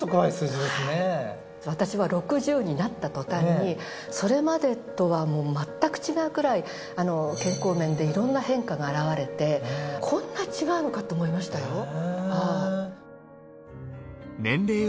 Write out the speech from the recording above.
私は６０になった途端にそれまでとはもう全く違うくらい健康面でいろんな変化が現れてこんな違うのかと思いましたよ。